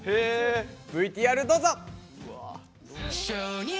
ＶＴＲどうぞ！